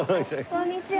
こんにちは。